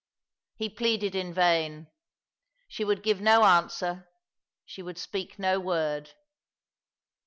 He pleaded in vain. She would give no answer— she would speak no word.